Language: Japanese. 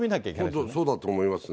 本当、そうだと思いますね。